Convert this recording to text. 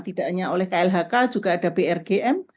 tidak hanya oleh klhk juga ada brgm